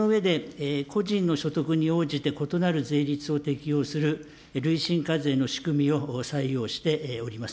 その上で、個人の所得に応じて異なる税率を適用する累進課税の仕組みを採用しております。